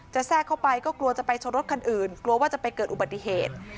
แทรกเข้าไปก็กลัวจะไปชนรถคันอื่นกลัวว่าจะไปเกิดอุบัติเหตุ